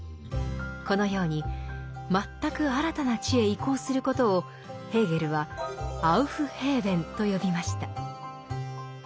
このように「全く新たな知へ移行すること」をヘーゲルは「アウフヘーベン」と呼びました。